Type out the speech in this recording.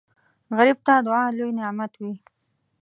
غریب ته دعا لوی نعمت وي